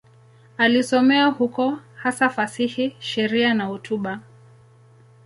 Alisomea huko, hasa fasihi, sheria na hotuba.